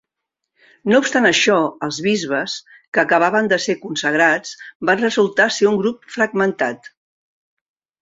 No obstant això, els bisbes, que acabaven de ser consagrats, van resultar ser un grup fragmentat.